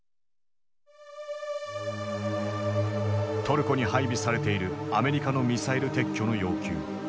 トルコに配備されているアメリカのミサイル撤去の要求。